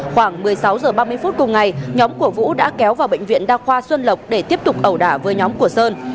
khoảng một mươi sáu h ba mươi phút cùng ngày nhóm của vũ đã kéo vào bệnh viện đa khoa xuân lộc để tiếp tục ẩu đả với nhóm của sơn